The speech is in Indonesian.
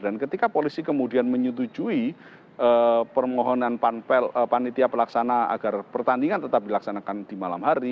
dan ketika polisi kemudian menyetujui permohonan panitia pelaksana agar pertandingan tetap dilaksanakan di malam hari